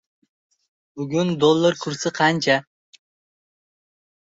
"Ozod qushlar" almanax film namoyishi bo‘lib o‘tadi